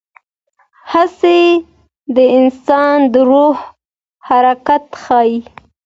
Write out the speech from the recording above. هڅې د انسان د روح حرکت ښيي.